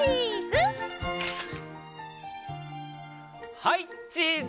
はいチーズ！